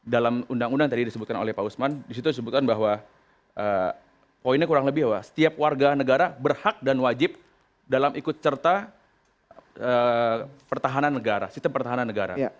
dalam undang undang tadi disebutkan oleh pak usman disitu disebutkan bahwa poinnya kurang lebih setiap warga negara berhak dan wajib dalam ikut serta pertahanan negara sistem pertahanan negara